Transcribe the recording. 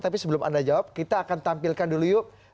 tapi sebelum anda jawab kita akan tampilkan dulu yuk